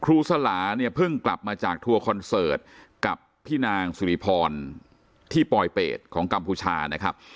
สลาเนี่ยเพิ่งกลับมาจากทัวร์คอนเสิร์ตกับพี่นางสุริพรที่ปลอยเป็ดของกัมพูชานะครับ